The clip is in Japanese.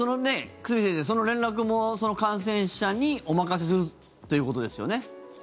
久住先生、その連絡もその感染者にお任せするということですよね？